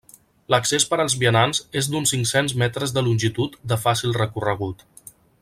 L'accés per als vianants és d'uns cinc-cents m de longitud de fàcil recorregut.